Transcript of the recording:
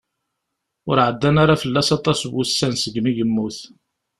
Ur ɛeddan ara fell-as aṭas n wussan seg mi yemmut.